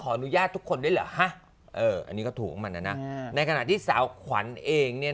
อนุญาตทุกคนด้วยเหรอฮะอันนี้ก็ถูกของมันนะในขณะที่สาวขวัญเองเนี่ย